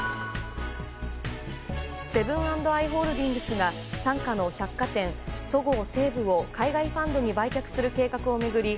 セブン＆アイ・ホールディングスが傘下の百貨店そごう・西武を海外ファンドに売却する計画を巡り